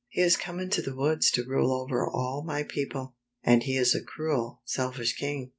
" He has come into the woods to rule over all my people, and he is a cruel, selfish king.